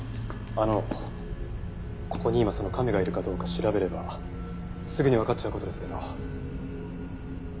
あのここに今その亀がいるかどうか調べればすぐにわかっちゃう事ですけど。